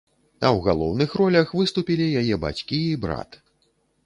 А ў галоўных ролях выступілі яе бацькі і брат.